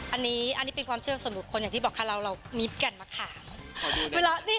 อันนี้เป็นความเชื่อส่วนบุคคลอย่างที่บอกค่ะเรามีแก่นมะขาม